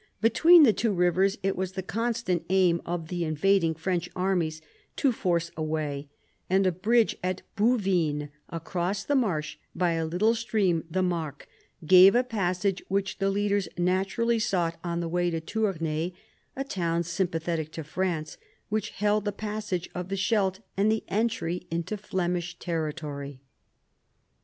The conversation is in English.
Between the two rivers it was the constant aim of the invading French armies to force a way; and a bridge at Bouvines across the marsh by a little stream, the Marcq, gave a passage which the leaders naturally sought on the way to Tournai, a town, sympathetic to France, which held the passage of the Scheldt and the entry into Flemish territory.